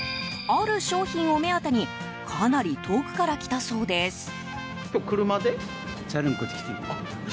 ある商品を目当てにかなり遠くから来たそうです。